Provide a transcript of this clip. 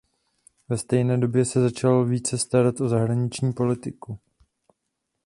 Ve stejné době se začal více starat o zahraniční politiku.